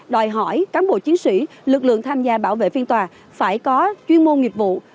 đòi hỏi cán bộ chiến sĩ lực lượng tham gia bảo vệ phiên tòa phải có chuyên môn nghiệp vụ